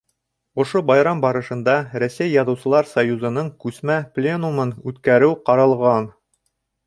Ошо байрам барышында Рәсәй Яҙыусылар союзының күсмә пленумын үткәреү ҡаралған.